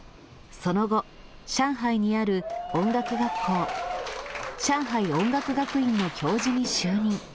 その後、上海にある音楽学校、上海音楽学院の教授に就任。